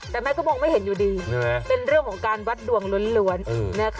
แต่แม่ก็มองไม่เห็นอยู่ดีเป็นเรื่องของการวัดดวงล้วน